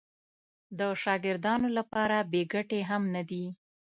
د شاګردانو لپاره بې ګټې هم نه دي.